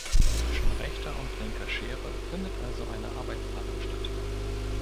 Zwischen rechter und linker Schere findet also eine „Arbeitsteilung“ statt.